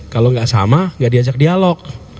kalau gak sama gak diajak dialog